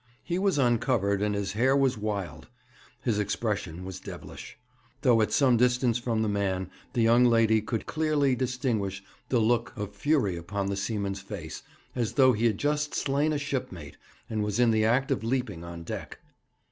He was uncovered, and his hair was wild. His expression was devilish. Though at some distance from the man, the young lady could clearly distinguish a look of fury upon the seaman's face, as though he had just slain a shipmate, and was in the act of leaping on deck.